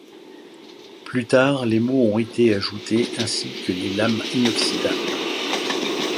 Plus tard, les mots et ont été ajoutés, ainsi que pour les lames inoxydables.